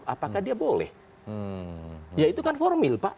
apakah dia boleh ya itu kan formil pak